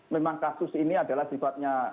memang kasus ini adalah sifatnya